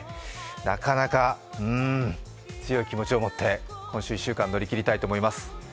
なかなか、うーん、強い気持ちを持って今週１週間乗り切りたいと思います